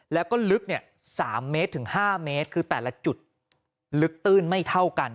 แล้วก็ลึก๓เมตรถึง๕เมตรคือแต่ละจุดลึกตื้นไม่เท่ากัน